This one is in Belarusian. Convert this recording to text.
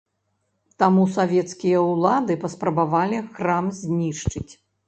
Таму савецкія ўлады паспрабавалі храм знішчыць.